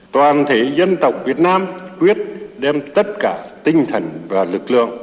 toàn thể dân tộc việt nam quyết đem tất cả tinh thần và lực lượng